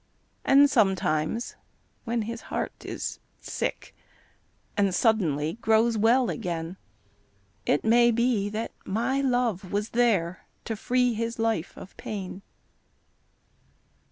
And sometimes when his heart is sick And suddenly grows well again, It may be that my love was there To free his life of pain.